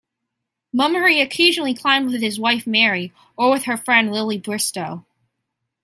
Mummery occasionally climbed with his wife Mary, or with her friend Lily Bristow.